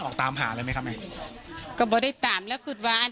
ปกติพี่สาวเราเนี่ยครับเป็นคนเชี่ยวชาญในเส้นทางป่าทางนี้อยู่แล้วหรือเปล่าครับ